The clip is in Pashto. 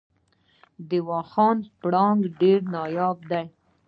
د واخان پړانګ ډیر نایاب دی